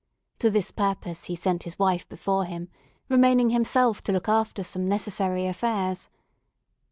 To this purpose he sent his wife before him, remaining himself to look after some necessary affairs.